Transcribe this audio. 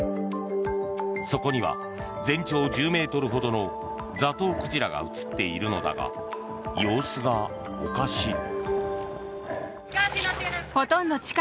そこには全長１０ｍほどのザトウクジラが映っているのだが様子がおかしい。